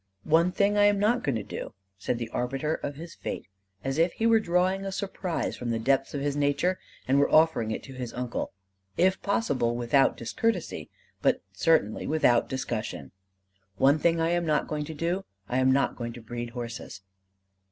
"One thing I am not going to do," said the arbiter of his fate, as if he were drawing a surprise from the depths of his nature and were offering it to his uncle; if possible, without discourtesy, but certainly without discussion "one thing I am not going to do; I am not going to breed horses."